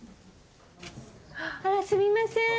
あらすみません。